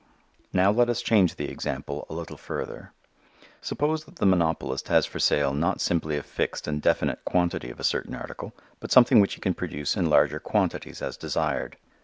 Now let us change the example a little further. Suppose that the monopolist has for sale not simply a fixed and definite quantity of a certain article, but something which he can produce in larger quantities as desired.